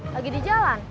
lagi di jalan